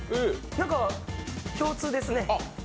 なんか共通ですね。